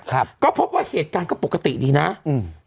ครับก็พบว่าเหตุการณ์ก็ปกติดีนะอืม